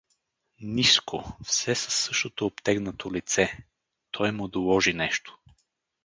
Ниско, все със същото обтегнато лице, той му доложи нещо.